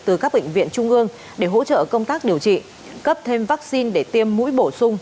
từ các bệnh viện trung ương để hỗ trợ công tác điều trị cấp thêm vaccine để tiêm mũi bổ sung